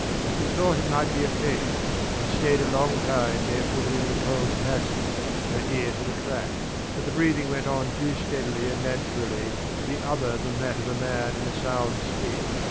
She thought it might be a feint, and stayed a long time barefooted in the cold passage, her ear to the crack; but the breathing went on too steadily and naturally to be other than that of a man in a sound sleep.